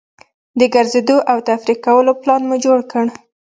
د ګرځېدو او تفریح کولو پلان مو جوړ کړ.